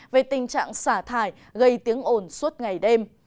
về tình trạng xả thải gây tiếng ồn suốt ngày đêm